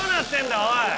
おい！